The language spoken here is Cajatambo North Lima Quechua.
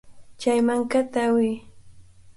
Chay mankata awiy.